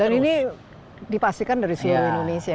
dan ini dipastikan dari seluruh indonesia